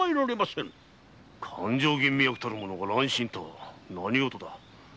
勘定吟味役たる者が乱心とは何事か。